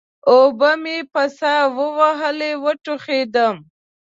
اوبه مې په سا ووهلې؛ وټوخېدم.